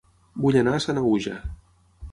Vull anar a Sanaüja